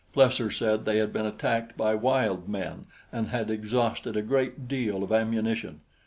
Plesser said they had been attacked by wild men and had exhausted a great deal of ammunition.